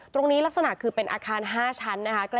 ลักษณะคือเป็นอาคาร๕ชั้นนะคะ